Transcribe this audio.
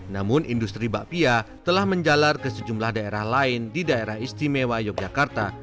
namun industri bakpia telah menjalar ke sejumlah daerah lain di daerah istimewa yogyakarta